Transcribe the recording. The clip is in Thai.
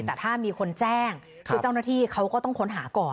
แต่ถ้ามีคนแจ้งคือเจ้าหน้าที่เขาก็ต้องค้นหาก่อน